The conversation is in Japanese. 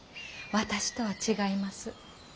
私とは違います。